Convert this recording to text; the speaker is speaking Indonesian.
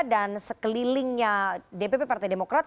dan sekelilingnya dpp partai demokrat